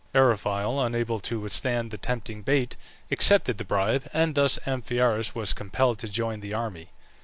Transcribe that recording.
Eriphyle, unable to withstand the tempting bait, accepted the bribe, and thus Amphiaraus was compelled to join the army.